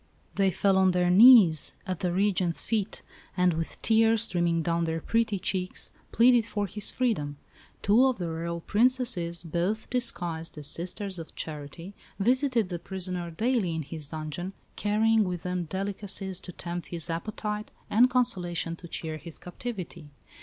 They fell on their knees at the Regent's feet, and, with tears streaming down their pretty cheeks, pleaded for his freedom. Two of the Royal Princesses, both disguised as Sisters of Charity, visited the prisoner daily in his dungeon, carrying with them delicacies to tempt his appetite, and consolation to cheer his captivity.